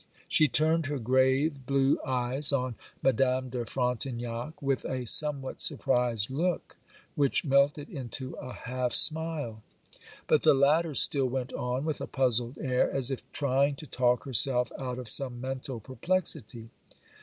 She turned her grave, blue eyes on Madame de Frontignac, with a somewhat surprised look, which melted into a half smile. But the latter still went on with a puzzled air, as if trying to talk herself out of some mental perplexity.